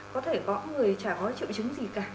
có thể có người chả có triệu chứng gì cả